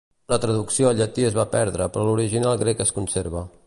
La traducció al llatí es va perdre però l'original grec es conserva.